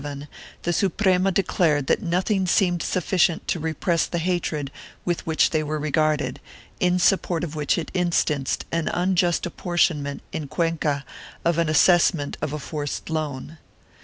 V] PERSISTENT ANTAGONISM 539 and, in 1647, the Suprema declared that nothing seemed sufficient to repress the hatred with which they were regarded, in support of which it instanced an unjust apportionment, in Cuenca, of an assessment of a forced loan.